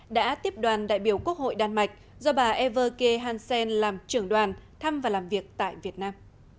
đã tiếp đoàn đại biểu quốc hội đan mạch do bà everke hansen làm trưởng đoàn thăm và làm việc tại việt nam